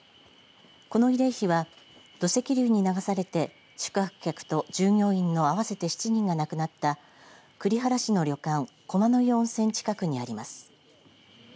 この慰霊碑は土石流に流されて宿泊客と従業員の合わせて７人が亡くなった栗原市の旅館駒の湯温泉近くにあります。